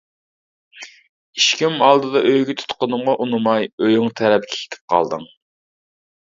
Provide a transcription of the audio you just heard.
ئىشىكىم ئالدىدا ئۆيگە تۇتقىنىمغا ئۇنىماي ئۆيۈڭ تەرەپكە كېتىپ قالدىڭ.